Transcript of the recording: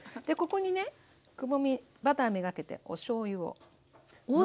でここにねくぼみバター目がけておしょうゆを。